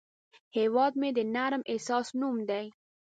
هیواد مې د نرم احساس نوم دی